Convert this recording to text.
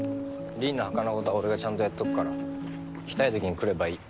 鈴の墓の事は俺がちゃんとやっておくから。来たい時に来ればいい。